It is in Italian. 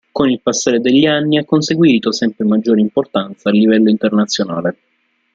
Con il passare degli anni ha conseguito sempre maggiore importanza a livello internazionale.